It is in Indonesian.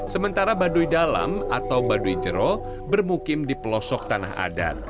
sementara baduy dalam atau baduy jero bermukim di pelosok tanah adat